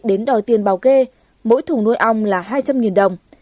đến đòi tiền bào kê mỗi thùng nuôi ong là hai trăm linh đồng